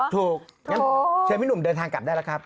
เดี๋ยวเชียวพี่หนุ่มเดินทางกลับได้ละครับ